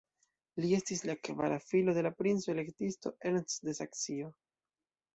Li estis la kvara filo de la princo-elektisto Ernst de Saksio.